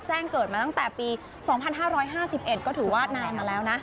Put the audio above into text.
แจ้งเกิดมาตั้งแต่ปี๒๕๕๑ก็ถือว่านายมาแล้วนะ